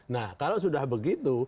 nah kalau sudah begitu